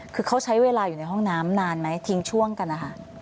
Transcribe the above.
คือเขาใช้เวลาอยู่ในห้องน้ำนานไหมทิ้งช่วงกันนะคะ